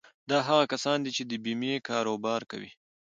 دا هغه کسان دي چې د بيمې کاروبار کوي.